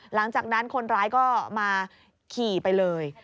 หลังจากนั้นคนร้ายก็มาขี่ไปเลย